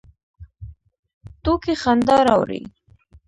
ټوکې خندا راوړي